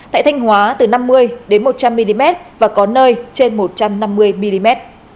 tại thanh hóa từ năm mươi một trăm linh mm và có nơi trên một trăm năm mươi mm